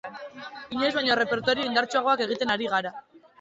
Inoiz baino errepertorio indartsuagoak egiten ari gara.